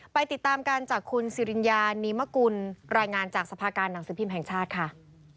ไปติดตามกันจากคุณสิริญญานีมกุลรายงานจากสภาการหนังสือพิมพ์แห่งชาติค่ะ